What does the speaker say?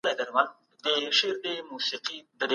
د ټاکنو پايلي د کميسيون لخوا په رسمي توګه اعلان سوې.